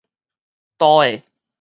導的